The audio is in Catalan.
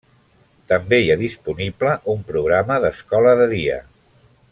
També hi ha disponible un programa d'escola de dia.